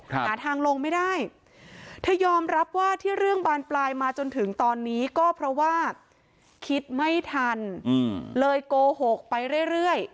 หาทางลงไม่ได้เธอยอมรับว่าที่เรื่องบานปลายมาจนถึงตอนนี้ก็เพราะว่าคิดไม่ทันเลยโกหกไปเรื่อย